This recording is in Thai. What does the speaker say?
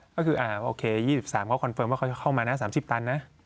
ก็คือโอเค๒๓เขาคอนเฟิร์มว่าเขาจะเข้ามานะ๓๐ตันนะ